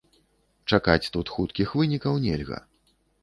Чакаць тут хуткіх вынікаў нельга.